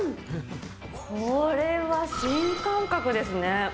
これは新感覚ですね。